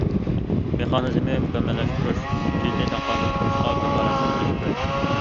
مېخانىزمنى مۇكەممەللەشتۈرۈپ، جىددىي تاقابىل تۇرۇشقا كاپالەتلىك قىلىش كېرەك.